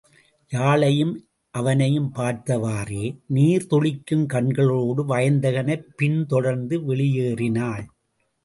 யாழையும் அவனையும் பார்த்தவாறே நீர் துளிக்கும் கண்களோடு வயந்தகனைப் பின்தொடர்ந்து வெளியேறினாள்.